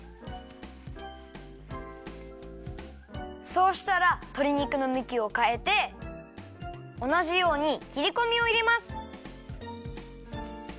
そうしたらとり肉のむきをかえておなじようにきりこみをいれます。